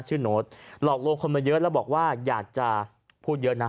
โน้ตหลอกลวงคนมาเยอะแล้วบอกว่าอยากจะพูดเยอะนะ